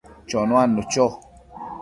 chonuadnu cho